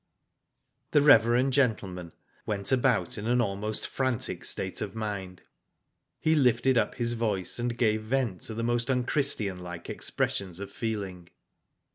The reverend gentleman went about in an almost frantic state of mind. He lifted up his voice and gave vent to most unchristianlike expressions of feeling.